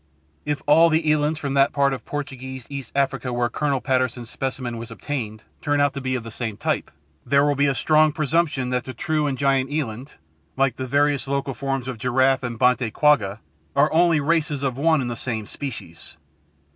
If all the elands from that part of Portuguese East Africa where Colonel Patterson's specimen was obtained turn out to be of the same type, there will be a strong presumption that the true and the giant eland, like the various local forms of giraffe and bonte quagga, are only races of one and the same species.